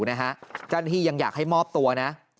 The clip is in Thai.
เจ้าหน้าที่ยังอยากให้มอบตัวนะ